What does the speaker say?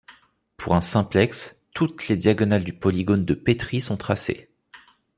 Pour un simplexe, toutes les diagonales du polygone de Petrie sont tracées.